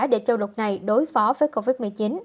để châu lục này đối phó với covid một mươi chín